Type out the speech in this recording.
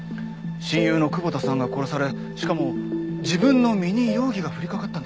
親友の窪田さんが殺されしかも自分の身に容疑が降り掛かったんです。